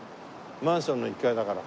マンションの１階だから。